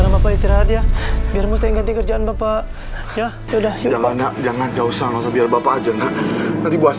biar mustahil ganti kerjaannya bu